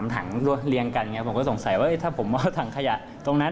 ๓ถังเรียงกันผมก็สงสัยว่าถ้าผมเอาถังขยะตรงนั้น